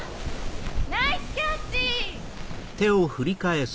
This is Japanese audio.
ナイスキャッチ！